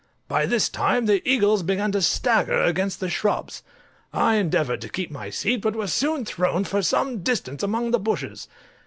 By this time the eagles began to stagger against the shrubs. I endeavoured to keep my seat, but was soon thrown to some distance among the bushes.